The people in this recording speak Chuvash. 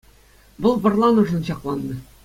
Вӑл вӑрланӑшӑн ҫакланнӑ.